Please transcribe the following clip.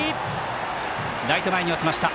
ライト前に落ちました。